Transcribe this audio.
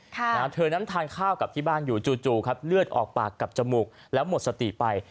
เธอนั้นทานข้าวกลับที่บ้านอยู่จู่จู่ครับเลือดออกปากกับจมูกแล้วหมดสติไป